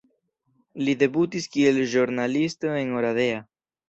Li debutis kiel ĵurnalisto en Oradea.